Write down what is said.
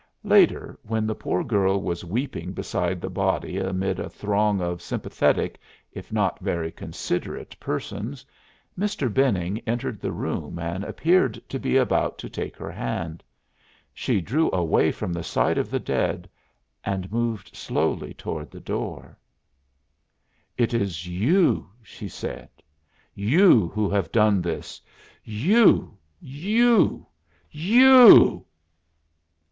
Later, when the poor girl was weeping beside the body amid a throng of sympathetic if not very considerate persons, Mr. Benning entered the room and appeared to be about to take her hand. She drew away from the side of the dead and moved slowly toward the door. "It is you," she said "you who have done this. You you you!"